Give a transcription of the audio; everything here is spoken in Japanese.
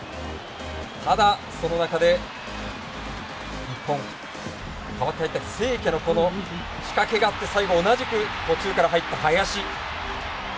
ただ、その中で日本代わって入った清家仕掛けがあって最後、同じく途中から入った林。